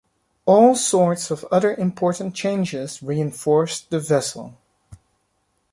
All sorts of other important changes reinforced the vessel.